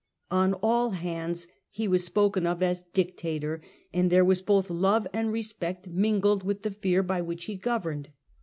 On all hands he was spoken of as Dictator, and there was both love and respect mingled with the fear by which he governed.